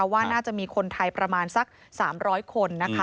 ว่าน่าจะมีคนไทยประมาณสัก๓๐๐คนนะคะ